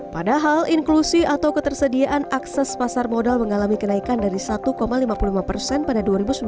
padahal inklusi atau ketersediaan akses pasar modal mengalami kenaikan dari satu lima puluh lima persen pada